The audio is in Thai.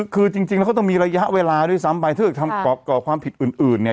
คือจริงแล้วก็ต้องมีระยะเวลาด้วยซ้ำไปถ้าเกิดทำก่อความผิดอื่นเนี่ย